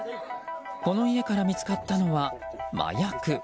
この家から見つかったのは、麻薬。